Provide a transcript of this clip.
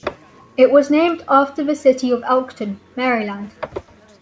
It was named after the city of Elkton, Maryland.